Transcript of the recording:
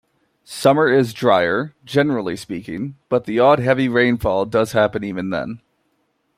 Summer is drier, generally speaking, but the odd heavy rainfall does happen even then.